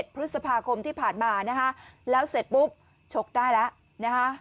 พฤษภาคมที่ผ่านมานะฮะแล้วเสร็จปุ๊บชกได้แล้วนะคะ